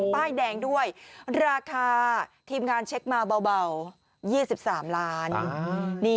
ป้ายแดงด้วยราคาทีมงานเช็คมาเบา๒๓ล้าน